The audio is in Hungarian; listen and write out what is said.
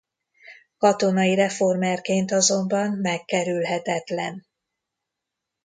Katonai reformerként azonban megkerülhetetlen.